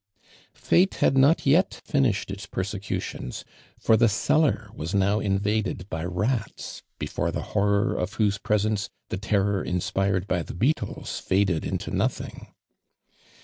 Fate had not yet finished its persecntion.'j, for tlie cellar was now invaded by rats, be fore the horror of whoso jiresenci^ the ter ror inspired by the beetles faded into nothing.